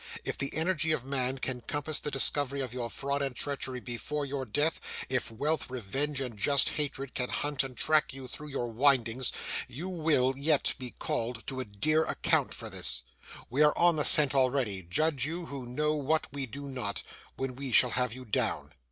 If the energy of man can compass the discovery of your fraud and treachery before your death; if wealth, revenge, and just hatred, can hunt and track you through your windings; you will yet be called to a dear account for this. We are on the scent already; judge you, who know what we do not, when we shall have you down!